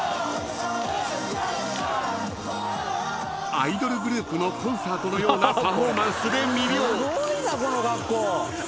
［アイドルグループのコンサートのようなパフォーマンスで魅了］